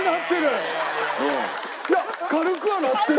いや軽くはなってる！